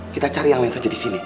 kita cari yang lain saja disini